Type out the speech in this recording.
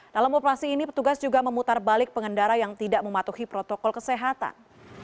dalam operasi ini petugas juga memutar balik pengendara yang tidak mematuhi protokol kesehatan